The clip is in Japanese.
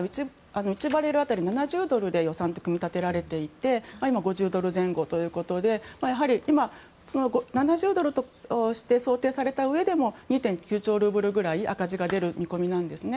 １バレル当たり７０ドルで予算が組まれていて今、５０ドル前後ということでやはり今７０ドルを想定されたうえでも２．９兆ルーブルぐらい赤字が出る見込みなんですね。